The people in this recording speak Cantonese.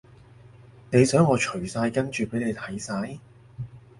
你想我除晒跟住畀你睇晒？